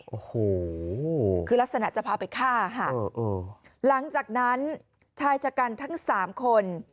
โอ้โหคือลักษณะจะพาไปฆ่าค่ะหลังจากนั้นชายชะกันทั้งสามคน